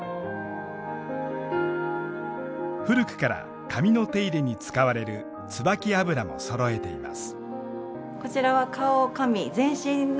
古くから髪の手入れに使われるつばき油もそろえています。